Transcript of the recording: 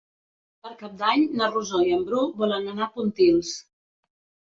Per Cap d'Any na Rosó i en Bru volen anar a Pontils.